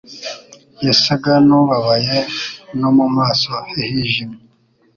Yasaga n'ubabaye no mu maso he hijimye.